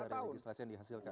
dari legislasi yang dihasilkan